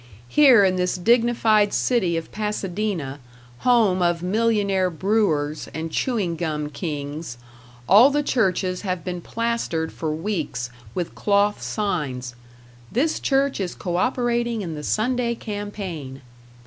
Here in this dignified city of Pasadena, home of millionaire brewers and chewing gum kings, all the churches have been plastered for weeks with cloth signs: "This Church is Cooperating in the Sunday Campaign."